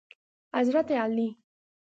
حضرت علی